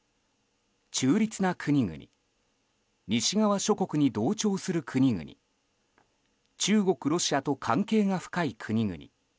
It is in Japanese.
中立な国々西側諸国に同調する国々中国、ロシアと関係が深い国々。